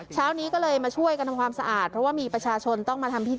เช้านี้ก็เลยมาช่วยกันทำความสะอาดเพราะว่ามีประชาชนต้องมาทำพิธี